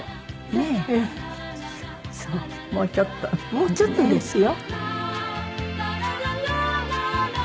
もうちょっとですよ。